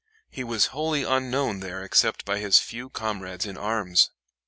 He was wholly unknown there except by his few comrades in arms.